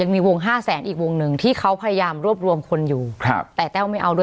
มีวงห้าแสนอีกวงหนึ่งที่เขาพยายามรวบรวมคนอยู่ครับแต่แต้วไม่เอาด้วย